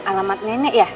alamat nenek ya